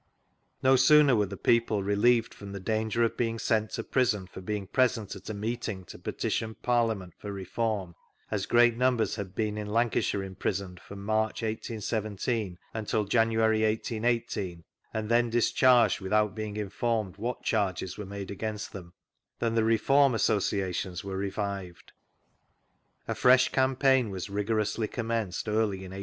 No sooner were the people ■V Google 64 thr£e accounts of peterloo relieved friMn the danger of beiog seot to prison for being present at a meeting to petition Parlia ment for reform, as great numbers had been in Lancashire imprisoiKd from March, 1817 until January, 1818, and then discharged without being informed what charges were made against them — than the Reform Associations were revived. A fresh campaign was rigorously commenced early in 1819.